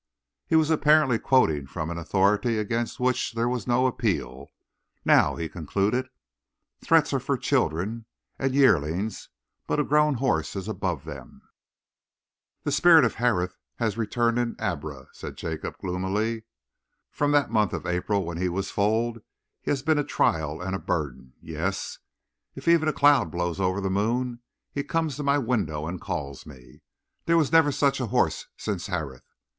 He was apparently quoting from an authority against which there was no appeal; now he concluded: "Threats are for children, and yearlings; but a grown horse is above them." "The spirit of Harith has returned in Abra," said Jacob gloomily. "From that month of April when he was foaled he has been a trial and a burden; yes, if even a cloud blows over the moon he comes to my window and calls me. There was never such a horse since Harith.